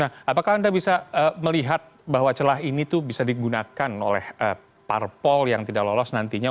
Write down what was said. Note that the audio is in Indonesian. nah apakah anda bisa melihat bahwa celah ini tuh bisa digunakan oleh parpol yang tidak lolos nantinya